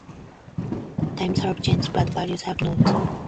Times have changed but values have not.